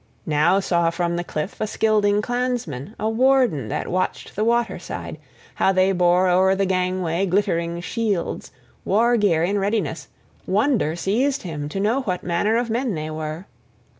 Now saw from the cliff a Scylding clansman, a warden that watched the water side, how they bore o'er the gangway glittering shields, war gear in readiness; wonder seized him to know what manner of men they were.